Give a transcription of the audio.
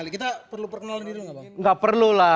kita perlu perkenalan tidak perlu lah